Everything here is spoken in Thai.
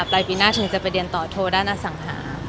ปลายปีหน้าฉันจะไปเรียนต่อโทรด้านอสังหา